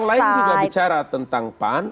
orang lain juga bicara tentang pan